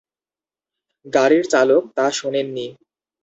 গাড়ির চালক তা শোনেননি।